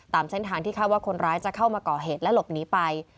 ตามเส้นทางที่คาดว่าคนร้ายจะเข้ามาก่อเหตุและหลบหนีไป